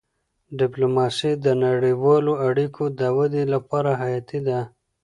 ډيپلوماسي د نړیوالو اړیکو د ودي لپاره حیاتي ده.